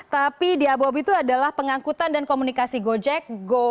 tapi di abob itu adalah pengangkutan dan komunikasi gojek